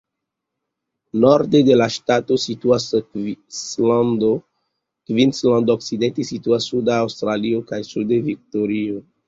Norde de la ŝtato situas Kvinslando, okcidente situas Suda Aŭstralio, kaj sude Viktorio.